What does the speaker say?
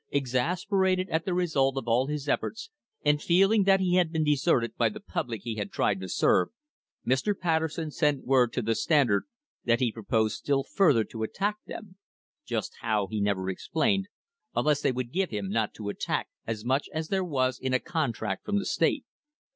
Exasperated at the result of all his efforts, and feeling that he had been deserted by the public he had tried to serve, Mr. Patterson sent word to the Standard that he proposed still further to attack them (just how he never explained) unless they would give him, not to attack, as much as there was in the contract from the state.